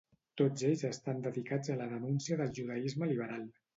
Tots ells estan dedicats a la denúncia del judaisme liberal.